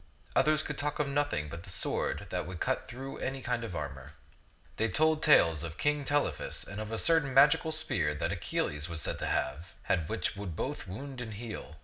Others could talk of nothing but the sword that would cut through any kind of armor. They told tales of King Telephus and of a certain magical spear that Achilles was said to have had which would both wound and heal.